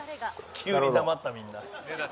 「急に黙ったみんな」